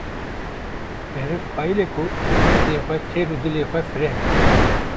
meriv qayile ku hestên xwe têr û dilê xwe fireh bike.